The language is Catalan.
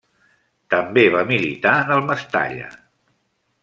També va militar en el Mestalla.